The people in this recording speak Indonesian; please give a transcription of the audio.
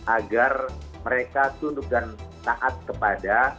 agar mereka tunduk dan taat kepada